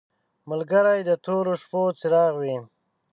ملګری د تورو شپو څراغ وي.